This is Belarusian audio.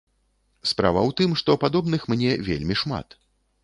Справа ў тым, што падобных мне вельмі шмат.